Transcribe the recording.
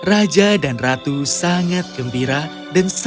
raja dan ratu sangat gembira dan sangat bersyukur mendengarkan saya